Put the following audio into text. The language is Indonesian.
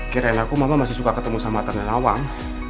kirain aku mama masih suka ketemu sama tarna nawang